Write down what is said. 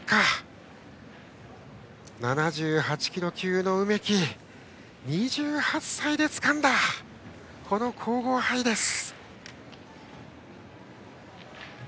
７８キロ級の梅木２８歳でつかんだこの皇后杯です！